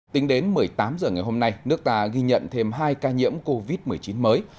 tính đến một mươi tám h ngày hôm nay nước ta ghi nhận thêm hai ca nhiễm covid một mươi chín mới